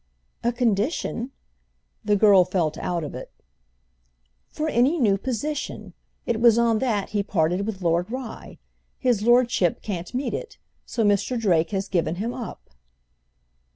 "A condition?"—the girl felt out of it. "For any new position. It was on that he parted with Lord Rye. His lordship can't meet it. So Mr. Drake has given him up."